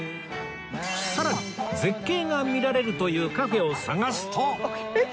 さらに絶景が見られるというカフェを探すと